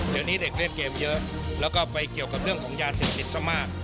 เดี๋ยวนี้เด็กเล่นเกมเยอะแล้วก็ไปเกี่ยวกับเรื่องของยาเสพติดซะมาก